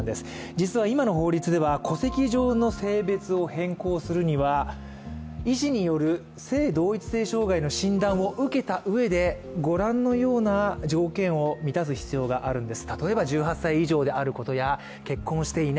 実は今の法律では戸籍上の法律を変更するには医師による性同一性障害の診断を受けたうえでご覧のような条件を満たす必要があるんです。